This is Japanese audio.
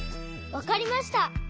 わかりました！